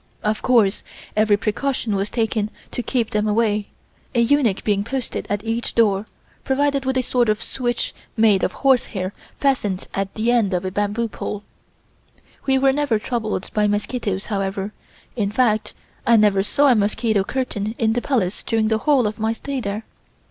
Of course every precaution was taken to keep them away, a eunuch being posted at each door, provided with sort of a switch made of horse hair fastened at the end of a bamboo pole. We were never troubled by mosquitoes, however; in fact I never saw a mosquito curtain in the Palace during the whole of my stay there.